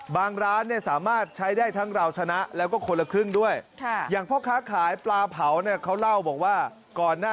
บางร้านเนี่ยสามารถใช้ได้ทั้งเราชนะ